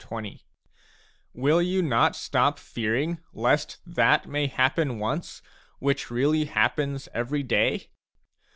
c Will you not stop fearing lest that may happen once which really happens every day